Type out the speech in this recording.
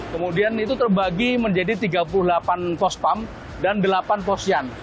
kemudian itu terbagi menjadi tiga puluh delapan pospam dan delapan posyan